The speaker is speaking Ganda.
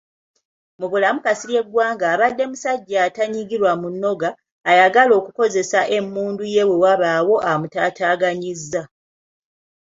Mu bulamu Kasirye Gwanga abadde musajja atanyigirwa mu nnoga, ayagala okukozesa emmundu ye we wabaawo amutaataaganyizza.